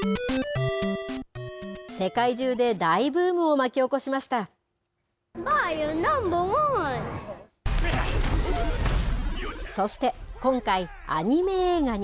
世界中で大ブームを巻き起こしまそして、今回、アニメ映画に。